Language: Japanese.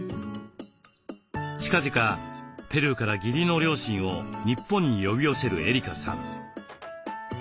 近々ペルーから義理の両親を日本に呼び寄せるエリカさん。